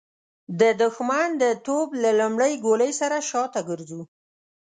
د د ښمن د توپ له لومړۍ ګولۍ سره شاته ګرځو.